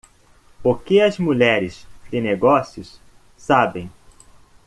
O que as mulheres de negócios sabem?